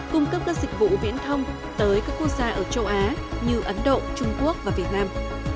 cung cấp các dịch vụ viễn thông tới các quốc gia ở châu á như ấn độ trung quốc và việt nam